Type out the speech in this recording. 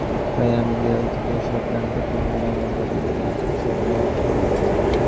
তাই আমি দেয়াল থেকে শটগানটা তুলে নিলাম আর দুটো গুলি ছুঁড়লাম ওকে সতর্ক করতে।